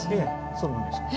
そうなんです。